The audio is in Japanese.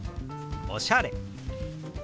「おしゃれ」。